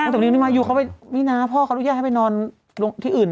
ตอนนี้มายูเขาไปนี่นะพ่อเขารู้แย่ให้ไปนอนที่อื่นนะ